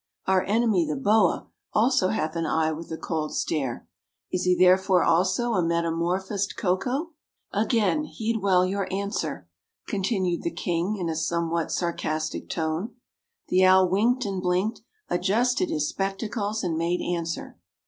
"Our enemy, the Boa, also hath an eye with a cold stare; is he therefore also a metamorphosed Koko? Again heed well your answer," continued the king in a somewhat sarcastic tone. The owl winked and blinked, adjusted his spectacles and made answer.